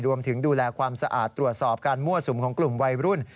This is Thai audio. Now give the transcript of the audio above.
ดูแลความสะอาดตรวจสอบการมั่วสุมของกลุ่มวัยรุ่น